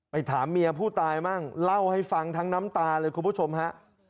ถามเมียผู้ตายบ้างเล่าให้ฟังทั้งน้ำตาเลยคุณผู้ชมฮะ